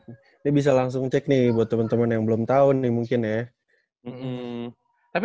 ini bisa langsung cek nih buat temen temen yang belum tau nih mungkin ya